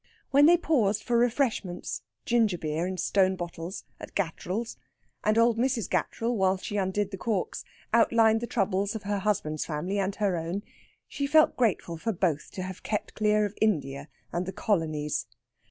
When they paused for refreshments ginger beer in stone bottles at Gattrell's, and old Mrs. Gattrell, while she undid the corks, outlined the troubles of her husband's family and her own, she felt grateful for both to have kept clear of India and "the colonies."